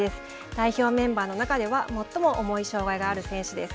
代表メンバーの中では最も重い障害がある選手です。